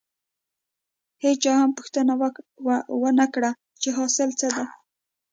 هېچا هم پوښتنه ونه کړه چې حاصل څه دی.